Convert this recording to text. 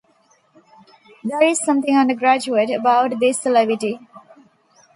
There is something undergraduate about this levity.